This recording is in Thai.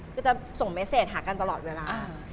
คือจะส่งเมสเซจหากันตลอดเวลา